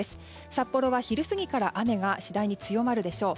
札幌は昼過ぎから雨が次第に強まるでしょう。